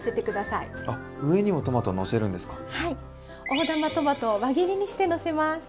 大玉トマトを輪切りにしてのせます。